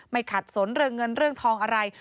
ไม่ขัดสนเงินเรื่องทองอะไร